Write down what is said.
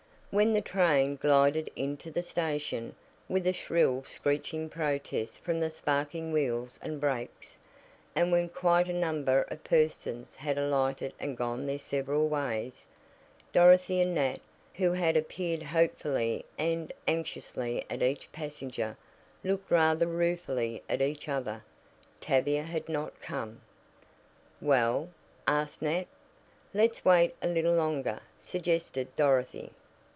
When the train glided into the station, with a shrill screeching protest from the sparking wheels and brakes, and when quite a number of persons had alighted and gone their several ways, Dorothy and Nat, who had peered hopefully and anxiously at each passenger, looked rather ruefully at each other. Tavia had not come. "Well?" asked Nat. "Let's wait a little longer," suggested Dorothy.